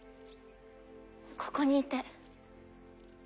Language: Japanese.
ここにいて。